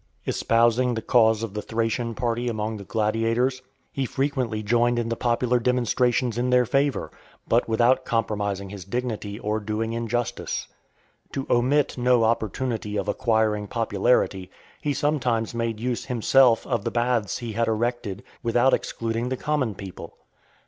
Espousing the cause of the Thracian party among the gladiators, he frequently joined in the popular demonstrations in their favour, but without compromising his dignity or doing injustice. To omit no opportunity of acquiring popularity, he sometimes made use himself of the baths he had erected, without excluding the common people.